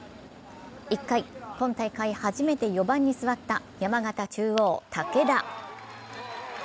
１回、今大会初めて４番に座った山形中央・武田。